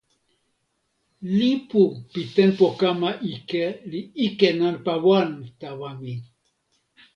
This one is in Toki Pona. lipu pi tenpo kama ike li ike nanpa wan tawa mi.